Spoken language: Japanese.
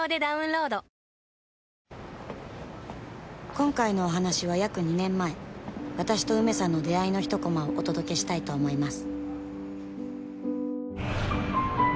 今回のお話は約２年前私とウメさんの出会いのひとコマをお届けしたいと思います